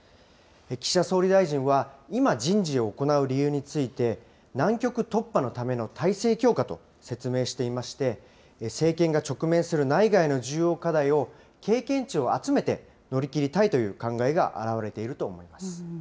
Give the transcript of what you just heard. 岸田総理大臣は今、人事を行う理由について、難局突破のための体制強化と説明していまして、政権が直面する内外の重要課題を、経験値を集めて乗り切りたいという考えが表れていると思います。